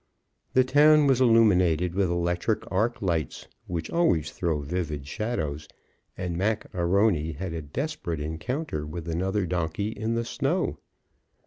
The town was illuminated with electric arc lights, which always throw vivid shadows, and Mac A'Rony had a desperate encounter with another donkey in the snow.